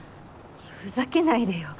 ふざけないでよ。